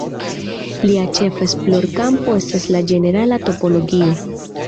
Lia ĉefa esplorkampo estas la ĝenerala topologio.